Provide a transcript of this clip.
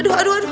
aduh aduh aduh